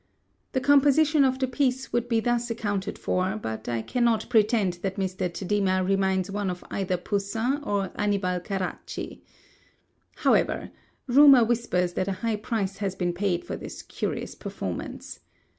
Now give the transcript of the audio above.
The composition of the piece would be thus accounted for; but I cannot pretend that Mr. Tadema reminds one of either Poussin or Annibale Carracci. However, rumour whispers that a high price has been paid for this curious performance.